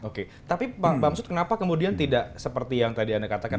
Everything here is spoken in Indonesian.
oke tapi bang bamsud kenapa kemudian tidak seperti yang tadi anda katakan